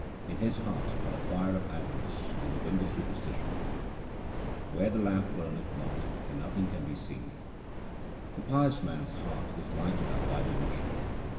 In his heart are the fire of avarice and the wind of super stition ! Where the lamp burneth not and nothing can be seen, The pious man's heart is lighted up by devotion.